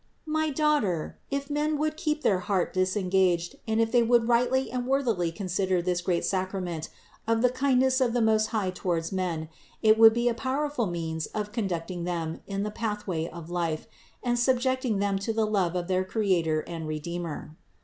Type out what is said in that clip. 486. My daughter, if men would keep their heart dis engaged and if they would rightly and worthily consider this great sacrament of the kindness of the Most High towards men, it would be a powerful means of conduct ing them in the pathway of life and subjecting them to the love of their Creator and Redeemer.